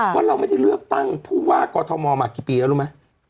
ว่าเราไม่ได้เลือกตั้งผู้ว่ากอทมมากี่ปีแล้วรู้ไหม